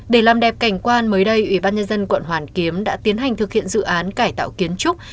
để làm đẹp cảnh quan mới đây ủy ban nhân dân quận hoàn kiếm đã tiến hành thực hiện dự án cải tạo kiến trúc